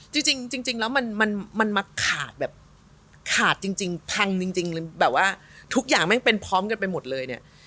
จริงแล้วมันมาขาดแบบขาดจริงพังจริงเลยแบบว่าทุกอย่างแม่งเป็นพร้อมกันไปหมดเลยเนี่ย